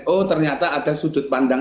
oh ternyata ada sudut pandang